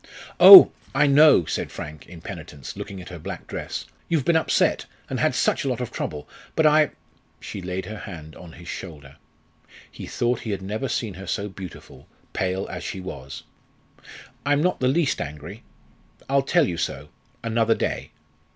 "Oh! I know," said Frank, in penitence, looking at her black dress; "you've been upset, and had such a lot of trouble. But I " She laid her hand on his shoulder. He thought he had never seen her so beautiful, pale as she was. "I'm not the least angry. I'll tell you so another day.